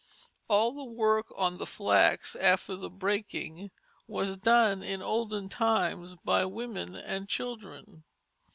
All the work on the flax after the breaking was done in olden times by women and children.